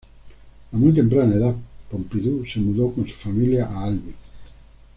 A muy temprana edad, Pompidou se mudó con su familia a Albi.